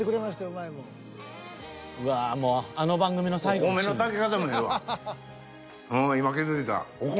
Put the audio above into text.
［うわもうあの番組の最後のシーン］